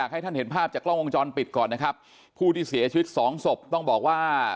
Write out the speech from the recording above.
ให้ท่านเห็นภาพจากกล้องวงจรปิดก่อนนะครับผู้ที่เสียชีวิตสองศพต้องบอกว่า